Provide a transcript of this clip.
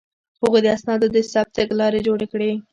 هغوی د اسنادو د ثبت تګلارې جوړې کړې.